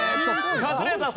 カズレーザーさん。